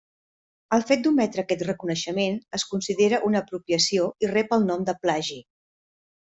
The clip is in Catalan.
El fet d'ometre aquest reconeixement es considera una apropiació i rep el nom de plagi.